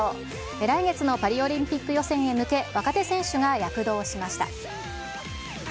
来月のパリオリンピック予選へ向け、若手選手が躍動しました。